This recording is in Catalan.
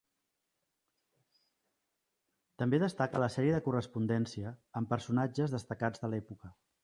També destaca la sèrie de correspondència amb personatges destacats de l’època.